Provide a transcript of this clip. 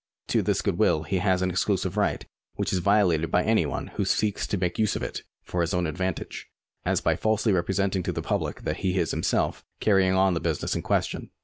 To this good will he has an exclusive right which is violated by any one who seeks to make use of it for his own advantage, as by falsely represent ing to the public that he is himself carrying on the business in question.